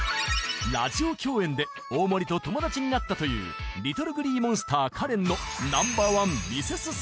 ラジオ共演で大森と友達になったという ＬｉｔｔｌｅＧｌｅｅＭｏｎｓｔｅｒ かれんのナンバーワンミセスソングは？